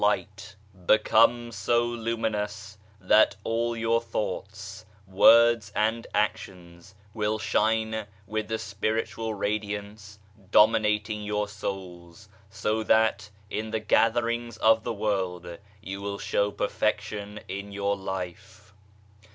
90 BODY, SOUL AND SPIRIT become so luminous that all your thoughts, Words and actions will shine with the Spiritual Radiance dominating your souls, so that in the gatherings of the world you will show perfection in your life.